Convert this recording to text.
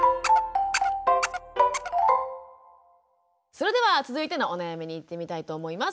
それでは続いてのお悩みにいってみたいと思います。